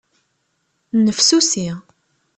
Nnefsusi.